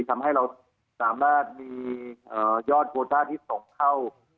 ทำให้เราสามารถมียอดโคต้าที่ส่งเข้า